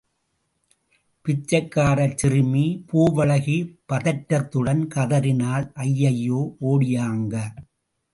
பிச்சைக்காரச் சிறுமி பூவழகி பதற்றத்துடன் கதறினாள் ஐயையோ, ஓடியாங்க!...